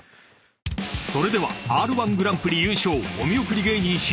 ［それではＲ−１グランプリ優勝］